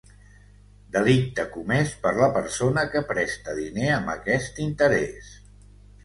Delicte comès per la persona que presta diner amb aquest interès.